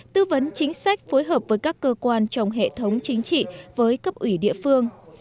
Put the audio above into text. tư vấn chính sách phối hợp với các cơ quan trong hệ thống chính trị với cấp ủy địa phương